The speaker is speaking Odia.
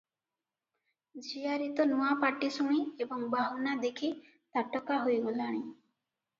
ଝିଆରୀତ ନୂଆ ପାଟି ଶୁଣି ଏବଂ ବାହୁନା ଦେଖି ତାଟକା ହୋଇଗଲାଣି ।